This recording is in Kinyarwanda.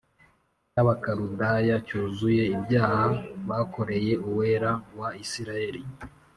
cy Abakaludaya cyuzuye ibyaha bakoreye Uwera wa Isirayeli